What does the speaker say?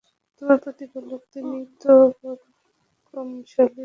তোমার প্রতিপালক তিনি তো পরাক্রমশালী, পরম দয়ালু।